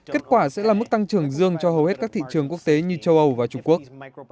kết quả sẽ là mức tăng trưởng dương cho hầu hết các thị trường quốc tế như châu âu và trung quốc